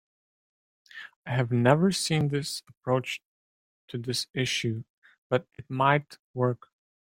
I have never seen this approach to this issue, but it might work.